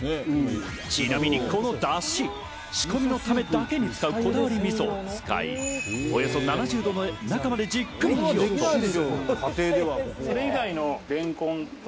ちなみにこのだし、仕込みのためだけに使うこだわりみそを使い、およそ７０度で中までしっかり調理。